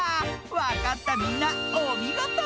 わかったみんなおみごと。